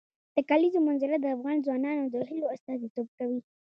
د کلیزو منظره د افغان ځوانانو د هیلو استازیتوب کوي.